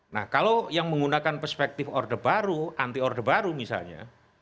nah kalau yang menggunakan perspektif orde baru anti orde baru misalnya